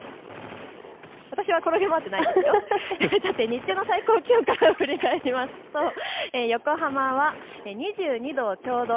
日中の最高気温から振り返りますと横浜は２２度ちょうど。